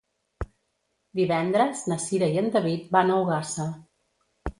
Divendres na Cira i en David van a Ogassa.